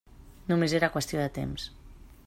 Només era qüestió de temps.